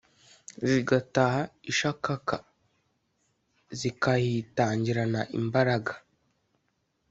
zigataha ishakaka: zikahitangirana imbaraga